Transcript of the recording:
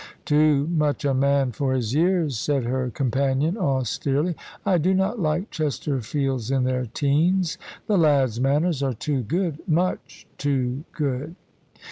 "Too much a man for his years," said her companion, austerely. "I do not like Chesterfields in their teens. The lad's manners are too good much too good."